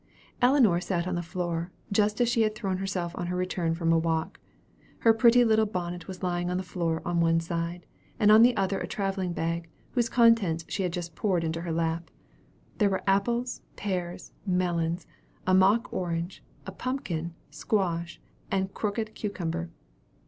Ellinor sat on the floor, just as she had thrown herself on her return from a walk. Her pretty little bonnet was lying on the floor on one side, and on the other a travelling bag, whose contents she had just poured into her lap. There were apples, pears, melons, a mock orange, a pumpkin, squash, and a crooked cucumber.